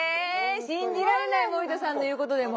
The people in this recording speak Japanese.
信じられない森田さんの言うことでも。